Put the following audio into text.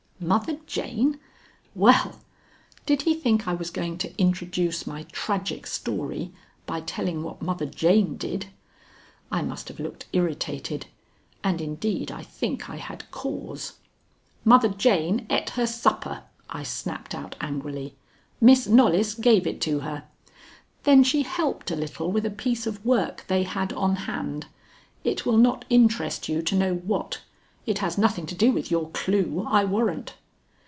Mother Jane? Well! Did he think I was going to introduce my tragic story by telling what Mother Jane did? I must have looked irritated, and indeed I think I had cause. "Mother Jane ate her supper," I snapped out angrily. "Miss Knollys gave it to her. Then she helped a little with a piece of work they had on hand. It will not interest you to know what. It has nothing to do with your clue, I warrant."